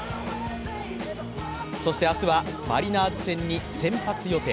そして明日はマリナーズ戦に先発予定。